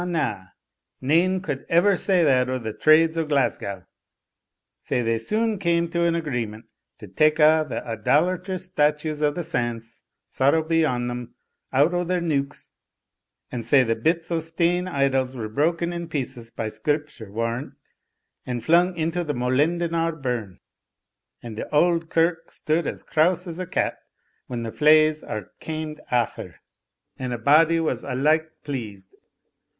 nane could ever say that o' the trades o' Glasgow Sae they sune came to an agreement to take a' the idolatrous statues of sants (sorrow be on them) out o' their neuks and sae the bits o' stane idols were broken in pieces by Scripture warrant, and flung into the Molendinar burn, and the auld kirk stood as crouse as a cat when the flaes are kaimed aff her, and a' body was alike pleased.